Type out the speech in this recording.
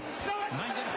前に出る。